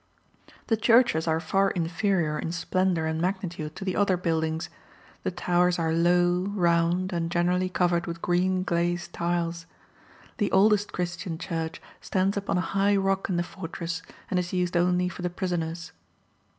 The churches are far inferior in splendour and magnitude to the other buildings; the towers are low, round, and generally covered with green glazed tiles. The oldest Christian church stands upon a high rock in the fortress, and is used only for the prisoners.